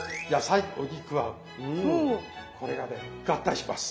これがね合体します。